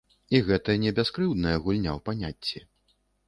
І гэта не бяскрыўдная гульня ў паняцці.